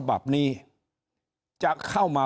ถ้าท่านผู้ชมติดตามข่าวสาร